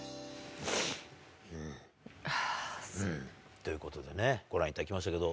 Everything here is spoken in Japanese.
ということでね、ご覧いただきましたけど。